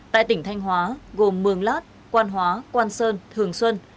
tại tỉnh thanh hóa gồm mường lát quan hóa quan sơn thường xuân